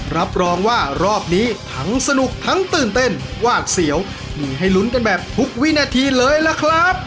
รับรองว่ารอบนี้ทั้งสนุกทั้งตื่นเต้นวาดเสียวมีให้ลุ้นกันแบบทุกวินาทีเลยล่ะครับ